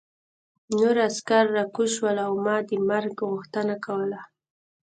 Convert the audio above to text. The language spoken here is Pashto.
نور عسکر راکوز شول او ما د مرګ غوښتنه کوله